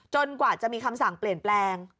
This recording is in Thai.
กว่าจะมีคำสั่งเปลี่ยนแปลง